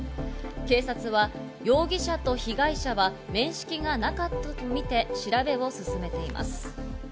警察は容疑者と被害者は面識がなかったとみて調べを進めています。